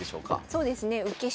そうですね受け